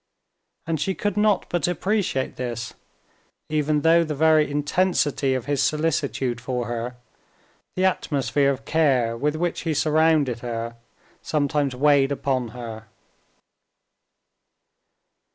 And she could not but appreciate this, even though the very intensity of his solicitude for her, the atmosphere of care with which he surrounded her, sometimes weighed upon her.